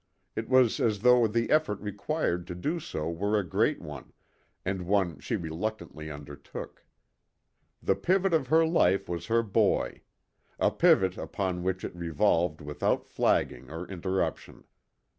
It was as though the effort required to do so were a great one, and one she reluctantly undertook. The pivot of her life was her boy. A pivot upon which it revolved without flagging or interruption.